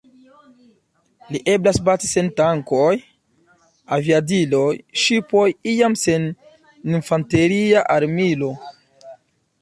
Ili eblas bati sen tankoj, aviadiloj, ŝipoj, iam sen infanteria armilo.